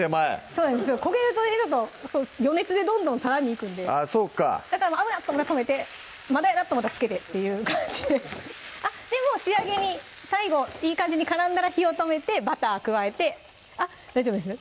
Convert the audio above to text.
そうなんです焦げるというのと余熱でどんどんさらにいくんでだから危なっと思ったら止めてまだやなと思ったらつけてっていう感じででもう仕上げに最後いい感じに絡んだら火を止めてバター加えてあっ大丈夫です？